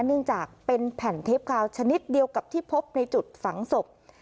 เนื่องจากเป็นแผ่นเทปคาวชนิดเดียวกับที่พบในจุดฝังศพ